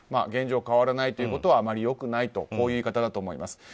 現状変わらないということはあまり良くないという言い方だと思います。